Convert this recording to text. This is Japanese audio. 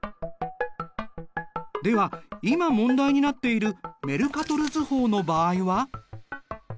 では今問題になっているメルカトル図法の場合は？